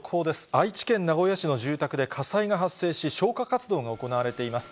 愛知県名古屋市の住宅で火災が発生し、消火活動が行われています。